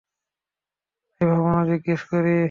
তাই ভাবলাম জিজ্ঞেস করি।